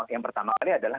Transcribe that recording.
yang pertama kali adalah